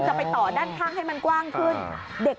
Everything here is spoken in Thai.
ไปต่อด้านข้างให้มันกว้างขึ้น